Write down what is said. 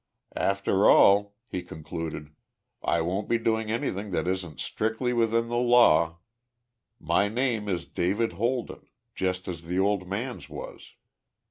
"After all," he concluded, "I won't be doing anything that isn't strictly within the law. My name is David Holden just as the old man's was.